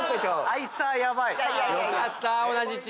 あいつはヤバい。